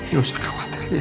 ya usah khawatir ya